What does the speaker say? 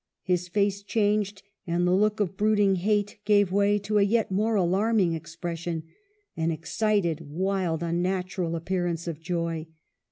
His face changed, and the look of brooding hate gave way to a yet more alarming expression — an excited, wild, unnatural appearance of joy.